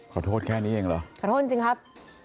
ขอโทษแค่นี้เองเหรอขอโทษจริงครับ